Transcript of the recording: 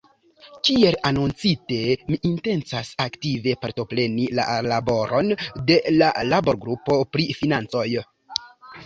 Kiel anoncite, mi intencas aktive partopreni la laboron de la laborgrupo pri financoj.